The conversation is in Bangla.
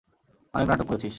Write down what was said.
অনেক নাটক করেছিস।